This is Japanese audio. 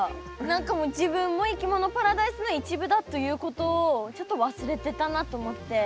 何か自分もいきものパラダイスの一部だということをちょっと忘れてたなと思って。